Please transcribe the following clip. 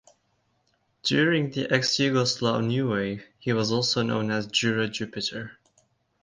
During the ex-Yugoslav new wave, he was also known as Jura Jupiter.